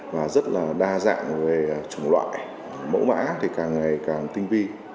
và rất là đa dạng về chủng loại mẫu mã thì càng ngày càng tinh vi